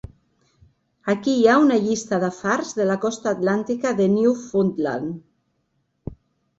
Aquí hi ha una lliste de fars de la costa atlàntica de Newfoundland.